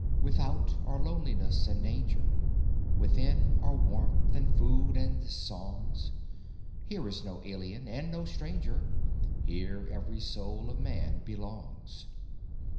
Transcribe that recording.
Without are loneliness and danger ; Within are warmth, and food, and songs : Here is no alien and no stranger ; Here every soul of man belongs.